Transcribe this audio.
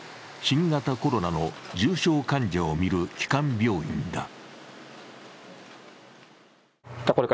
新型コロナの重症患者を診る基幹病院だ。